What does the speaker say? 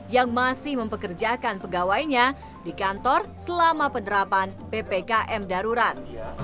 yang masih mempekerjakan pegawainya di kantor selama penerapan ppkm darurat